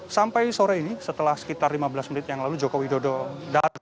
sampai sore ini setelah sekitar lima belas menit yang lalu joko widodo datang